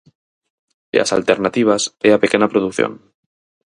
E as alternativas é a pequena produción.